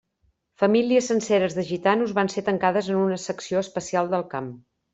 Famílies senceres de gitanos van ser tancades en una secció especial del camp.